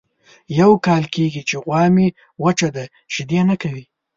یو کال کېږي چې غوا مې وچه ده شیدې نه کوي.